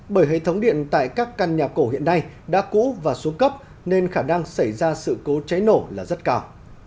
bởi hệ thống điện tại các căn nhà cổ hiện nay đã cũ và xuống cấp nên khả năng xảy ra sự cố cháy nổ là rất cao